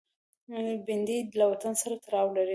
بېنډۍ له وطن سره تړاو لري